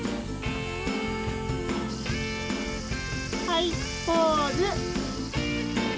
・はいポーズ。